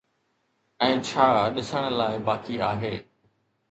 ۽ ڇا ڏسڻ لاءِ باقي آهي